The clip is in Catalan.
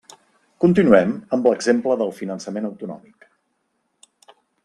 Continuem amb l'exemple del finançament autonòmic.